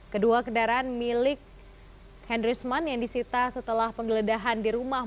kedua kendaraan milik hendrisman yang disita setelah penggeledahan di rumah